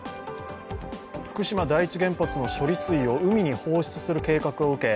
福島第一原発の処理水を海に放出する計画を受け